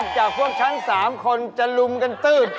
นอกจากพวกชั้นสามคนจะลุมกันตืดเจ๊